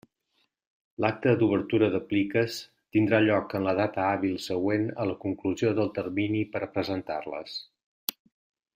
L'acte d'obertura de pliques tindrà lloc en la data hàbil següent a la conclusió del termini per a presentar-les.